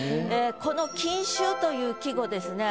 この「錦秋」という季語ですね。